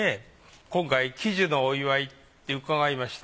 今回喜寿のお祝いと伺いました。